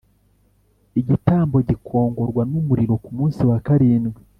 igitambo gikongorwa n umuriro Ku munsi wa karindwi